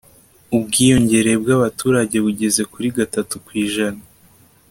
ubwiyongere bw'abaturage bugeze kuri gatatu ku ijana